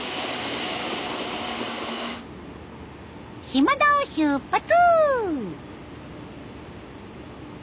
島田を出発！